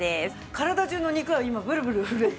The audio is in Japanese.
体中の肉が今ブルブル震えて。